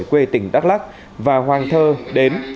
quê tỉnh đắk lắc và hoàng thơ đến